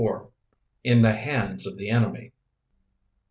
IN THE HANDS OF THE ENEMY.